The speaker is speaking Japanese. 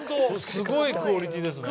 すごいクオリティーですね。